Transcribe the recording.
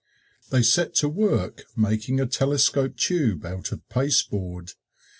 They set to work making a telescope tube out of pasteboard.